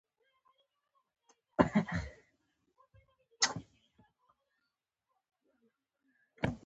لکه د لرګي یو وړوکی صندوق په یوه تڼۍ پکې سره.